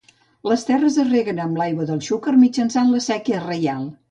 Les terres es reguen amb aigua del Xúquer mitjançant la Séquia Reial.